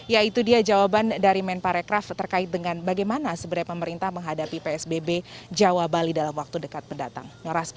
yaitu dia jawaban dari men pak rekraf terkait dengan bagaimana sebenarnya pemerintah menghadapi psbb jawa bali dalam waktu dekat mendatang